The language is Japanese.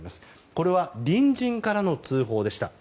これは隣人からの通報でした。